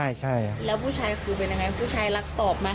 ใช่ใช่แล้วผู้ชายคือเป็นยังไงผู้ชายรักตอบไหม